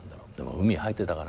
海入ってたかな。